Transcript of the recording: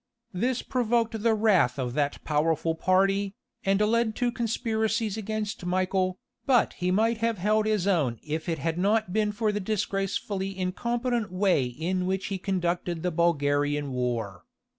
This provoked the wrath of that powerful party, and led to conspiracies against Michael, but he might have held his own if it had not been for the disgracefully incompetent way in which he conducted the Bulgarian war.